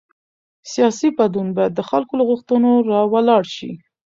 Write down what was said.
سیاسي بدلون باید د خلکو له غوښتنو راولاړ شي